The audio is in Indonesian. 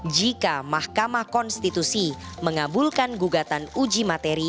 jika mahkamah konstitusi mengabulkan gugatan uji materi